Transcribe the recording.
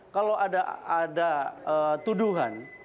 kalau ada tuduhan